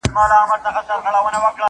ماتول یې ښکلي لوښي او چاینکي!.